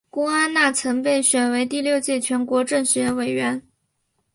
郭安娜曾被选为第六届全国政协委员。